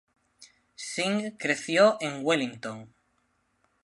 Singh creció en Wellington.